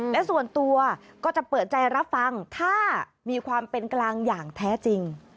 และส่วนตัวก็จะเปิดใจรับฟังถ้ามีความเป็นกลางอย่างแท้จริง